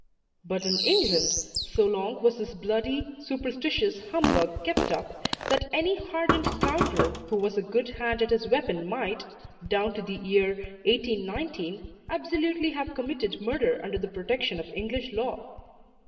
But in England, so long was this bloody, superstitious humbug kept up, that any hardened scoundrel who was a good hand at his weapon might, down to the year 1819, absolutely have committed murder under the protection of English law.